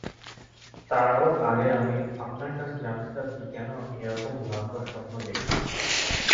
তারাও আগে আমি আপনার কাছে জানতে চাচ্ছি কেন আমি এ-রকম ভয়ংকর স্বপ্ন দেখছি?